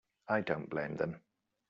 I don't blame them.